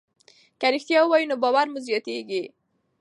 که رښتیا ووایو نو باور مو زیاتېږي.